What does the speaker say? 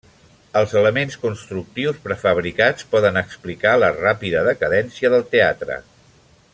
Els elements constructius prefabricats poden explicar la ràpida decadència del teatre.